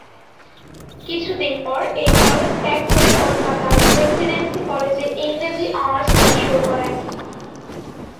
কিছুদিন পর এই কলেজ ত্যাগ করে কলকাতার প্রেসিডেন্সী কলেজে ইংরেজি অনার্স পড়া শুরু করেন।